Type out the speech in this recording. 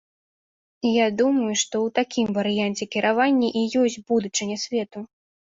І я думаю, што ў такім варыянце кіравання і ёсць будучыня свету.